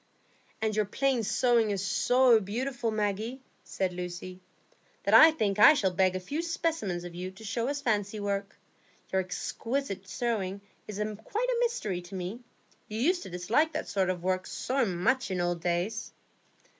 "And your plain sewing is so beautiful, Maggie," said Lucy, "that I think I shall beg a few specimens of you to show as fancy work. Your exquisite sewing is quite a mystery to me, you used to dislike that sort of work so much in old days."